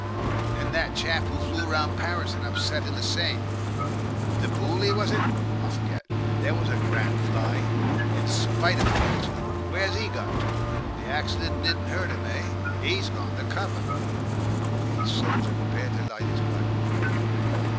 Then that chap who flew round Paris and upset in the Seine. De Booley, was it? I forget. That was a grand fly, in spite of the accident; but where's he got to? The accident didn't hurt him. Eh? 'E's gone to cover." The soldier prepared to light his pipe.